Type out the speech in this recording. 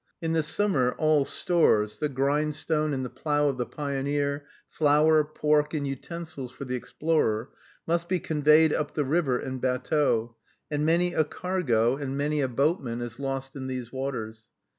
In the summer, all stores the grindstone and the plow of the pioneer, flour, pork, and utensils for the explorer must be conveyed up the river in batteaux; and many a cargo and many a boatman is lost in these waters.